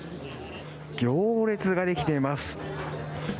行列ができています。